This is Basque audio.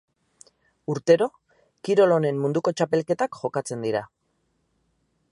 Urtero, kirol honen munduko txapelketak jokatzen dira.